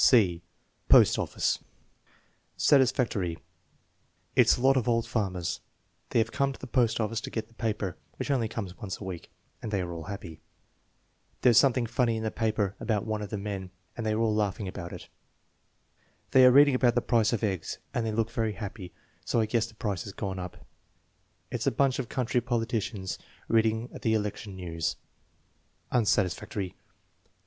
(c) Post Office Satisfactory. "It's a lot of old farmers. They have come to the post office to get the paper, which only comes once a week, and they are all happy." "There's something funny in the paper about one of the men and they are all laughing about it." "They are 304 THE MEASUREMENT OF INTELLIGENCE reading about the price of eggs, and they look very happy so I guess the price has gone up." "It's a bunch of country politicians reading the election news." Unsatisfactory.